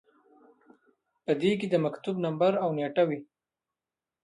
په دې کې د مکتوب نمبر او نیټه وي.